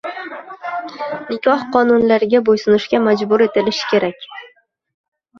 nikoh qonunlariga bo‘ysunishga majbur etilishi kerak.